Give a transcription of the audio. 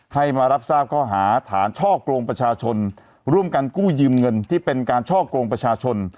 ให้มารับทราบข้อหาฐานช่อกงประชาชนร่วมกันกู้ยืมเงินที่เป็นการช่อกงประชาชน